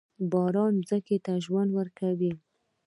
باران ځمکې ته ژوند ورکوي.